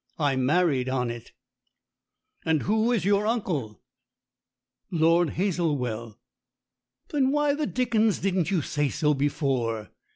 I married on it." "And who's your uncle?" "Lord Hazelwell." "Then why the dickens didn't you say so before?"